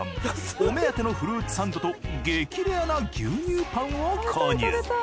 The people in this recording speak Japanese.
お目当てのフルーツサンドと激レアな牛乳パンを購入。